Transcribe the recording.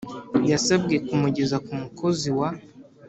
Yasabwe kumugeza ku mukozi wa